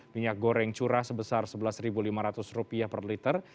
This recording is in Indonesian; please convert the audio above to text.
minyak goreng curah sebesar rp sebelas lima ratus per liter